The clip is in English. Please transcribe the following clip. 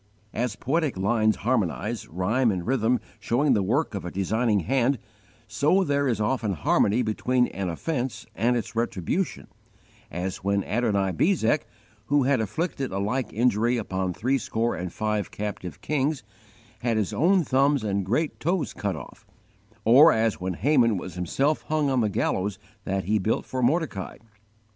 As poetic lines harmonize, rhyme and rhythm showing the work of a designing hand, so there is often harmony between an offense and its retribution, as when Adonibezek, who had afflicted a like injury upon threescore and five captive kings, had his own thumbs and great toes cut off, or as when Haman was himself hung on the gallows that he built for Mordecai.